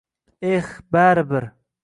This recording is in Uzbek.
«Eh, bari bir!»